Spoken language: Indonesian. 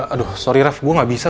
aduh sorry raff gua gak bisa